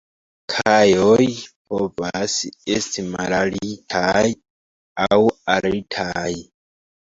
Kajoj povas esti malaltaj aŭ altaj.